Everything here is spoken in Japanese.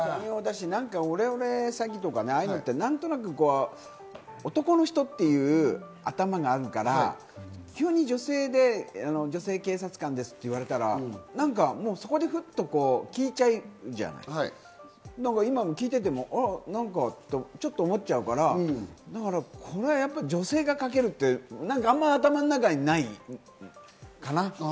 オレオレ詐欺とか、ああいうのって何となく男の人っていうのが頭にあるから、急に女性で女性警察官ですって言われたら、そこで聞いちゃうじゃない、今も聞いててもちょっと思っちゃうから、女性がかけるってあんまり頭の中にないかな。